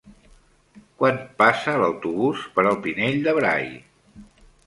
Quan passa l'autobús per el Pinell de Brai?